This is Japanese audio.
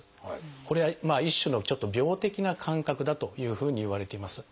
これは一種のちょっと病的な感覚だというふうにいわれています。